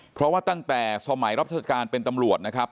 เพราะว่าตั้งแต่สมัยรัชกาลเป็นตำรวจนะครับ